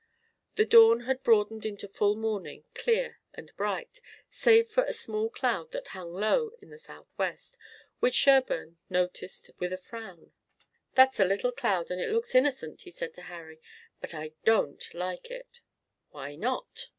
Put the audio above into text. The dawn had broadened into full morning, clear and bright, save for a small cloud that hung low in the southwest, which Sherburne noticed with a frown. "That's a little cloud and it looks innocent," he said to Harry, "but I don't like it." "Why not?"